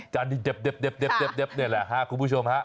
จานนี้เด็ดนี่แหละครับคุณผู้ชมฮะ